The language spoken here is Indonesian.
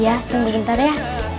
iya tunggu sebentar ya